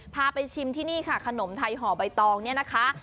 พาไปชิมที่นี่ค่ะขนมไทยห่อใบตองเนี่ยนะคะ